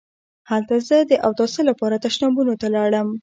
هلته زه د اوداسه لپاره تشنابونو ته لاړم.